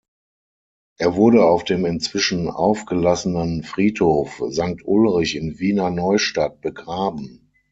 Er wurde auf dem inzwischen aufgelassenen Friedhof Sankt Ulrich in Wiener Neustadt begraben.